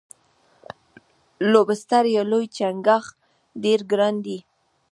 لوبسټر یا لوی چنګاښ ډیر ګران دی.